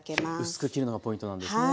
薄く切るのがポイントなんですね。